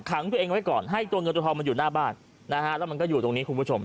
ขังตัวเองไว้ก่อนให้ตัวเงินตัวทองมันอยู่หน้าบ้านนะฮะแล้วมันก็อยู่ตรงนี้คุณผู้ชม